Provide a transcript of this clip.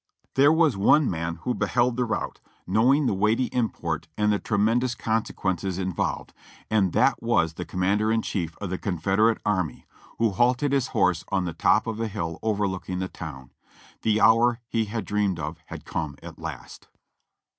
There was one man who beheld the rout, knowing the weighty 394 JOHNNY REB AND BILLY YANK import and the tremendous consequences involved, and that was the Commander in Chief of the Confederate Army, who halted his horse on the top of a hill overlooking the town. The hour he had dreamed of had come at last.